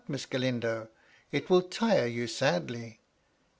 Miss Galindo? It will tire you sadly."